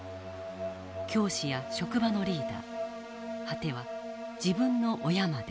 教師や職場のリーダー果ては自分の親まで。